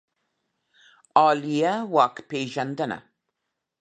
عالیه واک پېژندنه